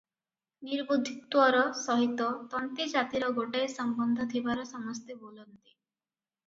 ନିର୍ବୁଦ୍ଧିତ୍ୱର ସହିତ ତନ୍ତୀଜାତିର ଗୋଟାଏ ସମ୍ବନ୍ଧ ଥିବାର ସମସ୍ତେ ବୋଲନ୍ତି ।